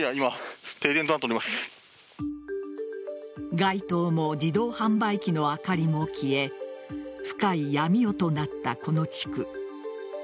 街灯も自動販売機の明かりも消え深い闇夜となったこの地区。